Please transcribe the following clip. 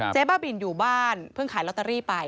บ้าบินอยู่บ้านเพิ่งขายลอตเตอรี่ไป